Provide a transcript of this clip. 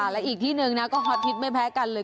และอีกที่หนึ่งนะก็ฮอตฮิตไม่แพ้กันเลย